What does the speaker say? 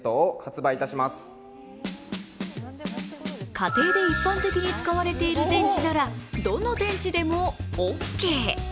家庭で一般的に使われている電池ならどの電池でもオッケー。